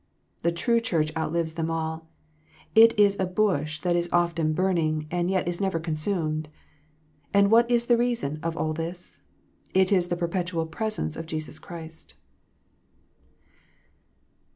The true Church outlives them all. It is a bush that is often burning, and yet is never consumed. And what is the reason of all this ? It is the perpetual " presence " of Jesus Christ.